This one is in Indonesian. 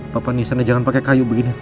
papa nisanya jangan pake kayu begini